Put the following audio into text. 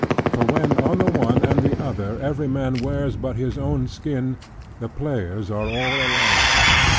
For when on the one and the other, every man wears but his own skin, the players are all alike.